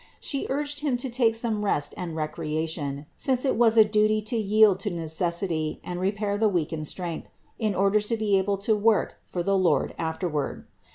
She urged him to take some rest and recreation, since it was a duty to yield to necessity and repair the weakened strength, in order to be able to work for the Lord afterward.